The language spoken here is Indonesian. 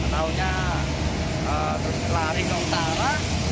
tahu tahu terus lari ke utara